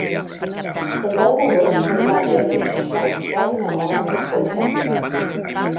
El deu d'agost n'Eulàlia i en Quixot volen anar a Moncofa.